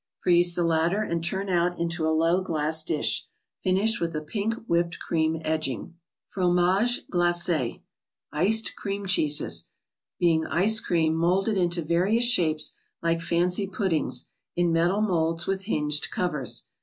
Freeze the latter and turn out into a low glass dish. Finish with a pink whipped cream edging. 5o THE BOOK OF ICES. fromagcss (Klaceg?. " Iced Cream Cheeses/' be into various shapes like fancy puddings, in metal molds with hinged covers.